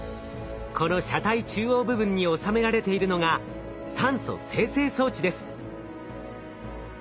この車体中央部分に収められているのが酸素生成装置です。